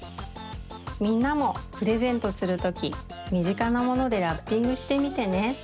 みんなもプレゼントするときみぢかなものでラッピングしてみてね。